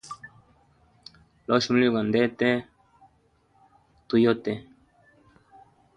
Losha mulilo gwa ndete tu yote.